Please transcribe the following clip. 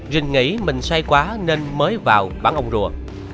rình nghĩ mình say quá nên mới vào bản ông rùa